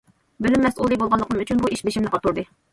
بۆلۈم مەسئۇلى بولغانلىقىم ئۈچۈن بۇ ئىش بېشىمنى قاتۇردى.